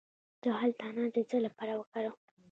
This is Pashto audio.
د هل دانه د څه لپاره وکاروم؟